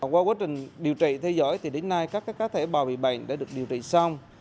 qua quá trình điều trị theo dõi thì đến nay các cá thể bào bị bệnh đã được điều trị xong